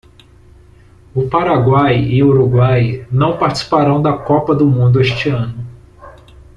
O Paraguai e o Uruguai não participarão da Copa do Mundo este ano.